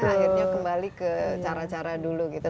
akhirnya kembali ke cara cara dulu gitu